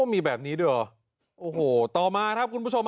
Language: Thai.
มีแบบนี้ด้วยเหรอโอ้โหต่อมาครับคุณผู้ชม